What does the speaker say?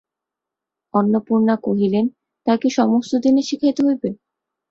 অন্নপূর্ণা কহিলেন, তাই কি সমস্ত দিনই শিখাইতে হইবে।